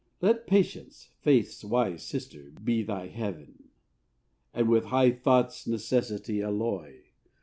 Let patience, faith's wise sister, be thy heaven, And with high thoughts necessity alloy.